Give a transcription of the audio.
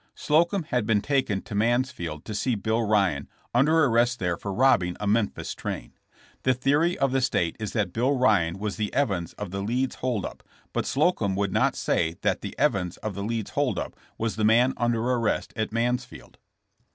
*' Sloeum had been taken to Mansfield to see Bill Eyan, under arrest there for robbing a Memphis train. The theory of the state is that Bill Ryan was the Evans of the Leeds hold up, but Sloeum would not say that the Evans of the Leeds hold up was the man under arrest at Mansfield.